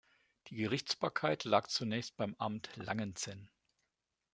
Die Gerichtsbarkeit lag zunächst beim Amt Langenzenn.